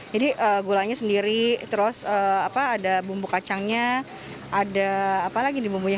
jadi gulanya sendiri terus ada bumbu kacangnya ada apa lagi nih bumbunya